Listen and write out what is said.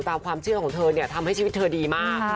ตามความเชื่อของเธอเนี่ยทำให้ชีวิตเธอดีมาก